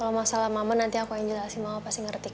kalo masalah mama nanti aku njelaskan mama pasti ngerti ko